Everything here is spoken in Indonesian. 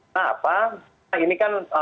nah apa ini kan